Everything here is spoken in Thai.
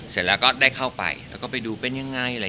เสร็จแล้วก็ได้เข้าไปแล้วก็ไปดูเป็นยังไง